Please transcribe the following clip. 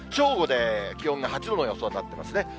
正午で気温が８度の予想になってますね。